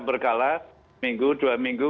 berkala minggu dua minggu